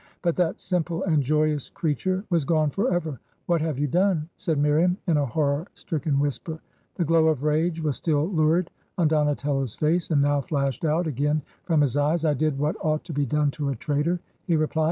But that simple and joyous creature was gone forever. 'What have I you done?' said Miriam, in a horror stricken whisper. I The glow of rage was still lurid on Donatello's face, • and now flashed out again from his eyes. 'I did what ought to be done to a traitor I' he replied.